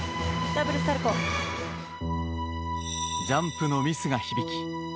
ジャンプのミスが響き